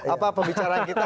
apa pembicaraan kita